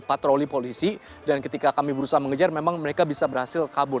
patroli polisi dan ketika kami berusaha mengejar memang mereka bisa berhasil kabur